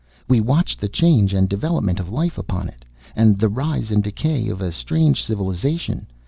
We watched the change and development of life upon it. And the rise and decay of a strange civilization.